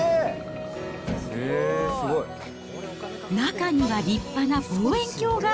中には立派な望遠鏡が。